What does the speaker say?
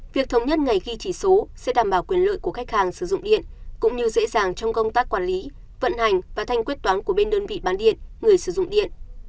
việc thống nhất ngày ghi chỉ số sẽ đảm bảo quyền lợi của khách hàng sử dụng điện cũng như dễ dàng trong công tác quản lý vận hành và thanh quyết toán của bên đơn vị bán điện người sử dụng điện